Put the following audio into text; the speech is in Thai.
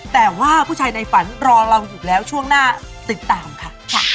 แต่ว่าผู้ชายในฝันรอเราอยู่แล้วช่วงหน้าติดตามค่ะ